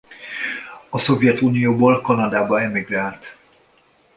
A Szovjetunióból Kanadába emigrált.